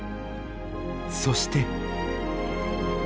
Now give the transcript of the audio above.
そして。